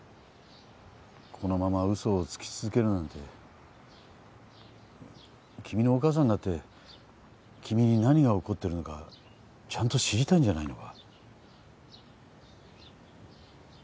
このまま嘘をつき続けるなんて君のお母さんだって君に何が起こってるのかちゃんと知りたいんじゃないのか？